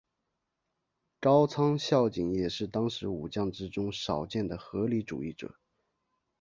朝仓孝景也是当时武将之中少见的合理主义者。